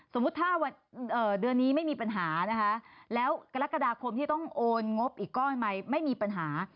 สมมุติถ้าวันเดือนนี้ไม่มีปัญหานะคะแล้วกรกฎาคมที่ต้องโอนงบอีกก้อนใหม่ไม่มีปัญหา